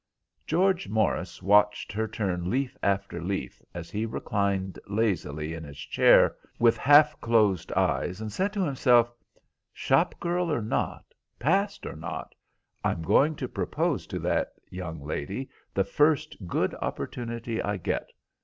George Morris watched her turn leaf after leaf as he reclined lazily in his chair, with half closed eyes, and said to himself, "Shop girl or not, past or not, I'm going to propose to that young lady the first good opportunity I get.